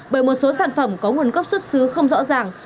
bởi một số sản phẩm có nguồn gốc xuất xứ không rõ ràng